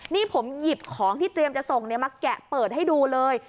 นี่ผมหยิบของที่เตรียมจะส่งมาแกะเปิดให้ดูเลย